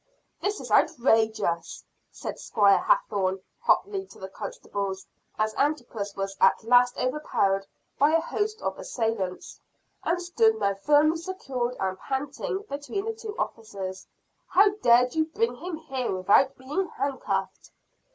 "This is outrageous!" said Squire Hathorne hotly to the constables as Antipas was at last overpowered by a host of assailants, and stood now firmly secured and panting between the two officers. "How dared you bring him here without being handcuffed?"